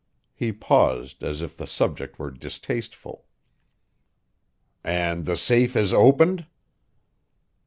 He paused, as if the subject were distasteful. "And the safe is opened?"